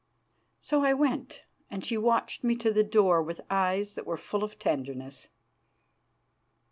So I went, and she watched me to the door with eyes that were full of tenderness.